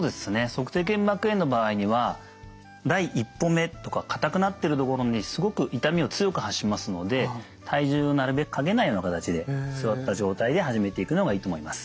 足底腱膜炎の場合には第１歩目とか硬くなってるところにすごく痛みを強く発しますので体重をなるべくかけないような形で座った状態で始めていくのがいいと思います。